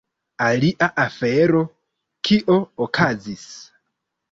Alia afero, kio okazis: